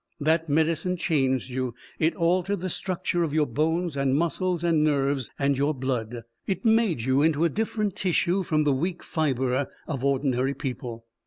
That medicine changed you. It altered the structure of your bones and muscles and nerves and your blood. It made you into a different tissue from the weak fibre of ordinary people.